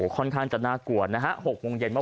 ค่อนข้างจะน่ากว่านะฮะ